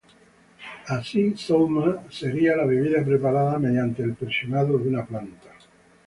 Así "saw-ma" sería la bebida preparada mediante el presionado de una planta.